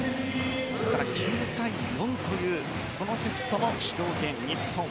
９対４というこのセットも主導権、日本。